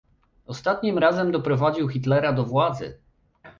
Ostatnim razem doprowadził Hitlera do władzy